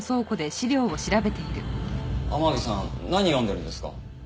天樹さん何読んでるんですか？